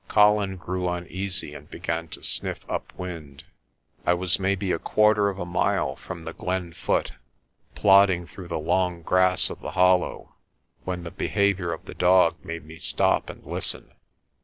Colin grew uneasy and began to sniff upwind. I was maybe a quarter of a mile from the glen foot, plodding through the long grass of the hollow, when the behaviour of the dog made me stop and listen.